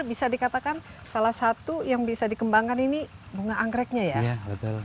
bisa dikatakan salah satu yang bisa dikembangkan ini bunga anggreknya ya